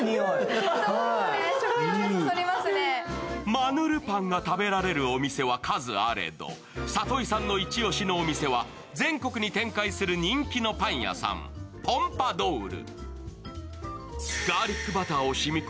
マヌルパンが食べられるお店は数あれど里井さんのイチ押しのお店は、全国に展開する人気のパン屋さん、ポンパドウル。